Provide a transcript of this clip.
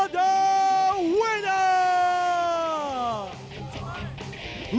เพื่อตัวต่อไป